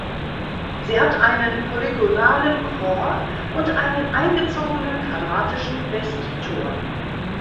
Sie hat einen polygonalen Chor und einen eingezogenen quadratischen Westturm.